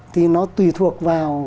thì nó tùy thuộc vào